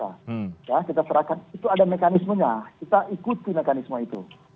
kita serahkan itu ada mekanismenya kita ikuti mekanisme itu